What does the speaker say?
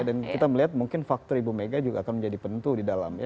dan kita melihat mungkin faktor ibu mega juga akan menjadi pentu di dalam ya